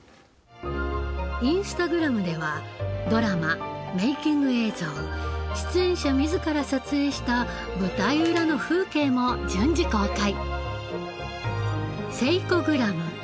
インスタグラムではドラマメイキング映像出演者自ら撮影した舞台裏の風景も順次公開。